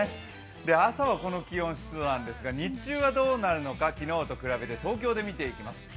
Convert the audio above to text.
朝はこの気温なんですが日中はどうなるのか、昨日と比べて東京で見ていきます。